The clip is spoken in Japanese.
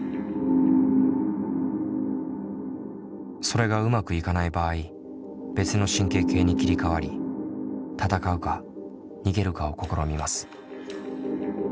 それがうまくいかない場合別の神経系に切り替わり闘うか逃げるかを試みます。